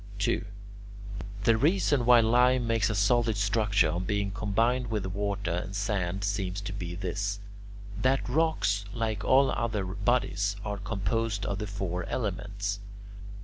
2. The reason why lime makes a solid structure on being combined with water and sand seems to be this: that rocks, like all other bodies, are composed of the four elements.